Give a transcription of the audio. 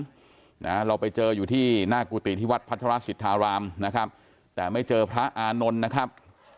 เราไปเจออยู่ที่หน้ากุฏิที่วัดพัทรสิทธารามนะครับแต่ไม่เจอพระอานนท์นะครับ